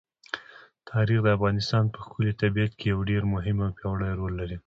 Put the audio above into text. تاریخ د افغانستان په ښکلي طبیعت کې یو ډېر مهم او پیاوړی رول لري.